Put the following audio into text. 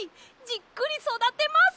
じっくりそだてます！